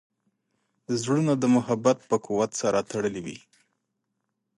زړونه د محبت په قوت سره تړلي وي.